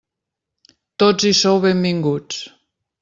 Tots hi sou benvinguts.